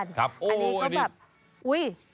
อันนี้ก็แบบโอ้โหโอ้โหโอ้โหโอ้โหโอ้โหโอ้โหโอ้โหโอ้โห